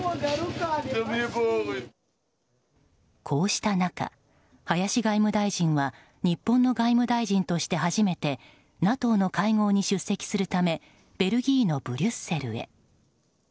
こうした中、林外務大臣は日本の外務大臣として初めてＮＡＴＯの会合に出席するためベルギーのブリュッセルへ。